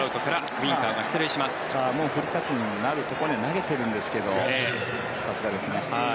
バッターも振りたくなるところには投げてるんですけどさすがですね。